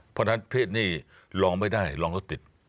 เพราะฉะนั้นเพศนี้ร้องไม่ได้ร้องแล้วติด